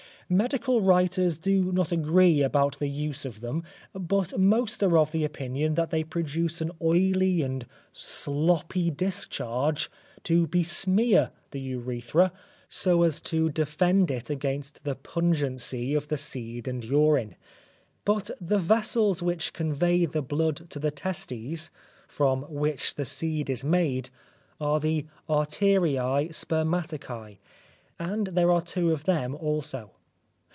Medical writers do not agree about the use of them, but most are of the opinion that they produce an oily and sloppy discharge to besmear the urethra so as to defend it against the pungency of the seed and urine. But the vessels which convey the blood to the testes, from which the seed is made, are the arteriae spermaticae and there are two of them also.